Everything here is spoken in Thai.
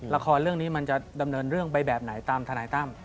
ละครเรื่องนี้มันจะดำเนินเรื่องไปแบบไหนตามทนายตั้ม